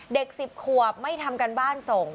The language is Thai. เด็กสิบขวบไม่ทำการบ้านส่ง